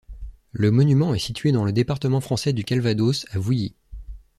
Le monument est situé dans le département français du Calvados, à Vouilly.